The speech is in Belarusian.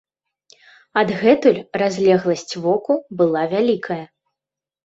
Адгэтуль разлегласць воку была вялікая.